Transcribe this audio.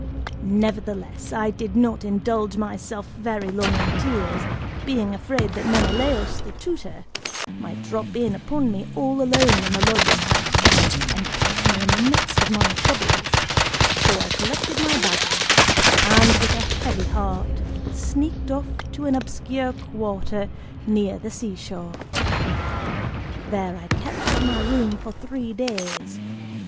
Nevertheless, I did not indulge myself very long in tears, being afraid that Menelaus, the tutor, might drop in upon me all alone in the lodging house, and catch me in the midst of my troubles, so I collected my baggage and, with a heavy heart, sneaked off to an obscure quarter near the seashore. There, I kept to my room for three days.